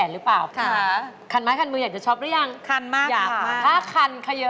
เราจะเข้าสู่การแข่งขันค่ะ